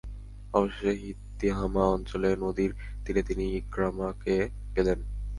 অবশেষে তিহামা অঞ্চলে নদীর তীরে তিনি ইকরামাকে পেলেন।